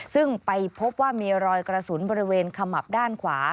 ซึ่งไปพบว่ามีรอยกระสุนบริเวณขมับด้านขวา